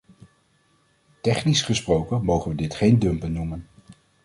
Technisch gesproken mogen we dit geen dumpen noemen.